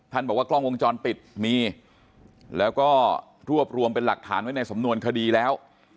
บอกว่ากล้องวงจรปิดมีแล้วก็รวบรวมเป็นหลักฐานไว้ในสำนวนคดีแล้ว